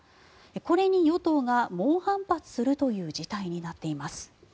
これに与党が猛反発するという事態になっています。